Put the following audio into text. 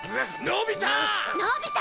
のび太！